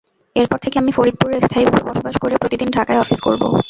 এরপর থেকে আমি ফরিদপুরে স্থায়ীভাবে বসবাস করে প্রতিদিন ঢাকায় অফিস করব।